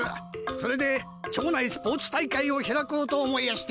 それで町内スポーツ大会を開こうと思いやして。